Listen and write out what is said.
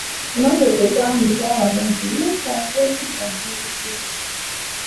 Emmotoka etambuza abalwadde yeetaaga okuddaabirizibwa.